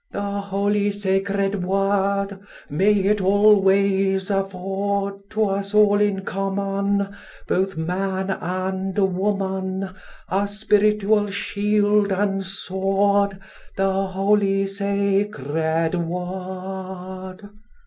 The holy sacred Word, May it always afford T' us all in common, Both man and woman, A spiritual shield and sword, The holy sacred Word.